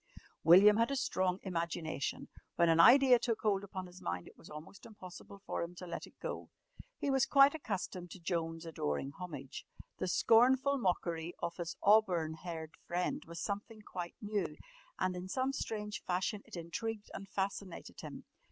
William had a strong imagination. When an idea took hold upon his mind, it was almost impossible for him to let it go. He was quite accustomed to Joan's adoring homage. The scornful mockery of his auburn haired friend was something quite new, and in some strange fashion it intrigued and fascinated him.